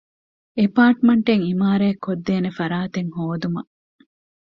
އެޕާޓްމަންޓެއް ޢިމާރާތްކޮށްދޭނޭ ފަރާތެއް ހޯދުމަށް